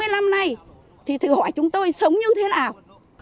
hai mươi năm nay thì thử hỏi chúng tôi sống như thế nào